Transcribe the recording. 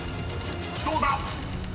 ［どうだ⁉］